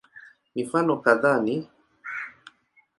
Mifano kadhaa ni